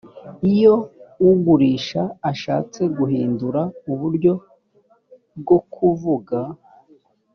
iyo ugurisha ashatse guhindura uburyo bwo kuvuga